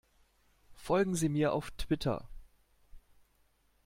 Folgen Sie mir auf Twitter!